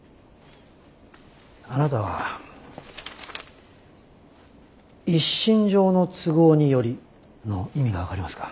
あなたは「一身上の都合により」の意味が分かりますか？